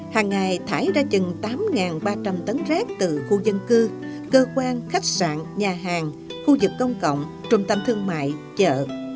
hàng ngày thải ra chừng tám ba trăm linh tấn rác từ khu dân cư cơ quan khách sạn nhà hàng khu vực công cộng trung tâm thương mại chợ